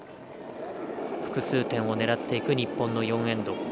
複数点を狙っていく日本の４エンド。